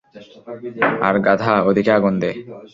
আর গাধা, ওদিকে আগুন দে!